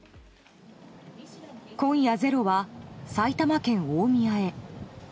今夜、「ｚｅｒｏ」は埼玉県大宮へ。